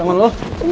enggak diada saja